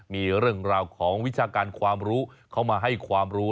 มีเรื่องราวของวิชาการความรู้เข้ามาให้ความรู้